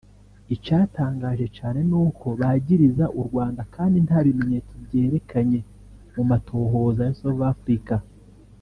Icatangaje cane nuko bagiriza u Rwanda kandi nta bimenyetso vyerekanye mu matohoza ya South Africa